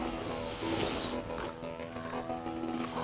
ya udah aku matiin aja deh